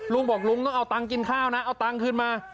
ลุงบอกลุงต้องเอาตังค์กินข้าวนะเอาตังค์คืนมา